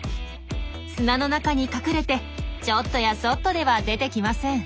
砂の中に隠れてちょっとやそっとでは出てきません。